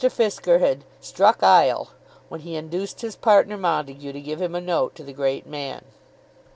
Fisker had "struck 'ile" when he induced his partner, Montague, to give him a note to the great man.